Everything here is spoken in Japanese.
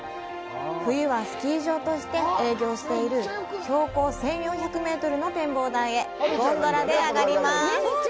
冬はスキー場として営業している標高１４００メートルの展望台へ、ゴンドラで上がります。